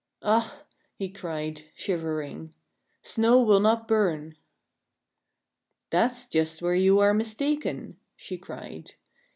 " Ah !" he cried, shivering :" snow will not burn." " That's just where you are mistaken," she cried.